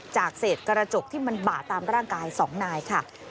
จากเศษกระจกที่มันบ่าตามร่างกาย๒นายค่ะ